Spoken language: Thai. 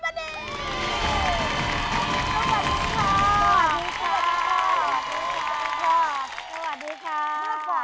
สวัสดีค่ะ